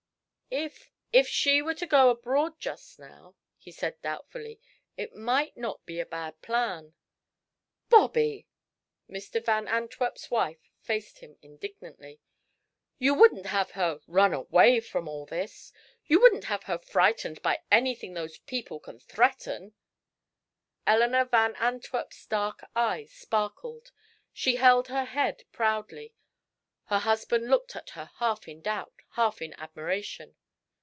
"If if she were to go abroad just now," he said, doubtfully, "it might not be a bad plan." "Bobby!" Mr. Van Antwerp's wife faced him indignantly. "You wouldn't have her run away from all this? You wouldn't have her frightened by anything those people can threaten?" Eleanor Van Antwerp's dark eyes sparkled, she held her head proudly. Her husband looked at her half in doubt, half in admiration.